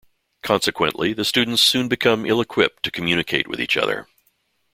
Consequently, the students soon become ill-equipped to communicate with each other.